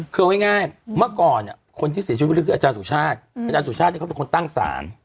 คือเอาง่ายเมื่อก่อนคนที่เสียชีวิตก็คืออาจารย์สุชาติอาจารย์สุชาติเขาเป็นคนตั้งศาล